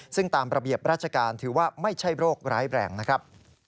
ซึ่งตามระเบียบราชการถือว่าไม่ใช่โรคร้ายแรงนะครับ